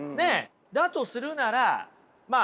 だとするならまあ